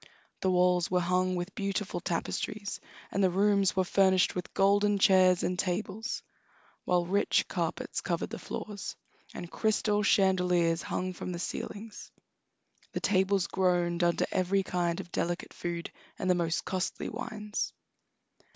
The walls were hung with beautiful tapestries, and the rooms were furnished with golden chairs and tables, while rich carpets covered the floors, and crystal chandeliers hung from the ceilings. The tables groaned under every kind of delicate food and the most costly wines.